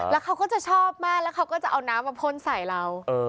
แล้วเขาก็จะชอบมากแล้วเขาก็จะเอาน้ำมาพ่นใส่เรา